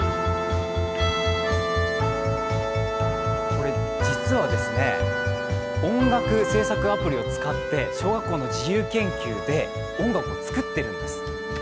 これ、実は音楽制作アプリを使って小学校の自由研究で音楽を作ってるんです。